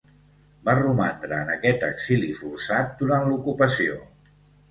Va romandre en aquest exili forçat durant l'ocupació.